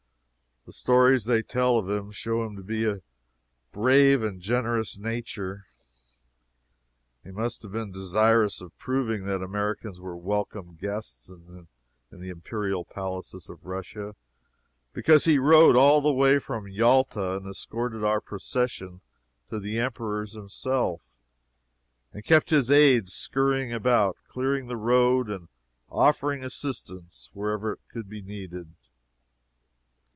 The stories they tell of him show him to be of a brave and generous nature. He must have been desirous of proving that Americans were welcome guests in the imperial palaces of Russia, because he rode all the way to Yalta and escorted our procession to the Emperor's himself, and kept his aids scurrying about, clearing the road and offering assistance wherever it could be needed.